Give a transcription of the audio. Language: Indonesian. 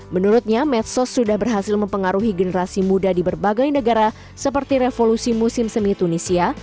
menurutnya medsos sudah berhasil mempengaruhi generasi muda di berbagai negara seperti revolusi musim semi tunisia